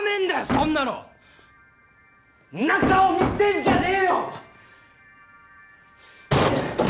そんなの！んな顔見せんじゃねぇよ！